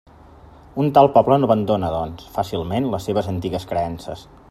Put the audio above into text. Un tal poble no abandona, doncs, fàcilment les seves antigues creences.